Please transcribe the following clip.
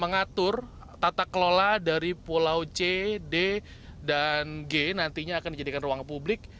mengatur tata kelola dari pulau c d dan g nantinya akan dijadikan ruang publik